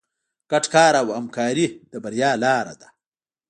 ګډ کار او همکاري د بریا لاره ده.